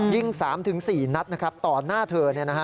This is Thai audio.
ยิง๓๔นัดต่อหน้าเธอ